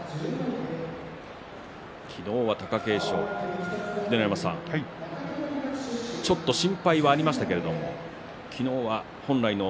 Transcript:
昨日は貴景勝、秀ノ山さんちょっと心配はありましたけれども昨日は本来の